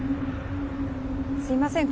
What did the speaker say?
すみません